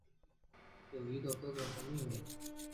有一个哥哥和妹妹。